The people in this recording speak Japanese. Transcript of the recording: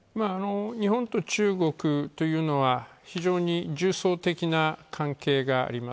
日本と中国というのは非常に重層的な関係があります。